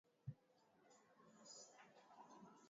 The Chicago Portage National Historic Site is located in Lyons.